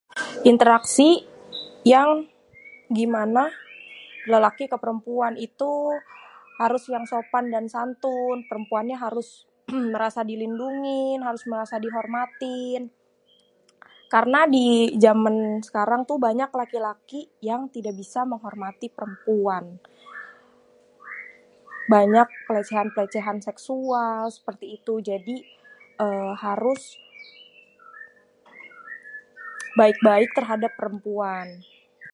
interaksi yang gimana lelaki ke perempuan itu harus yang sopan dan santun.. perempuannya harus merasa dilindungi.. harus merasa dihormatin.. karena tuh di zaman sekarang banyak laki-laki yang tidak bisa menghormati perempuan.. banyak pelecehan-pelecehan seksual seperti itu.. jdi harus baik-baik terhadap perempuan..